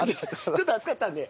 ちょっと熱かったんで。